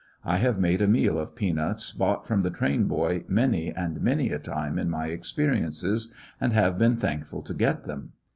I have made a meal of peanuts bought from the train boy many and many a time in my experiences, and have been thankful to get them.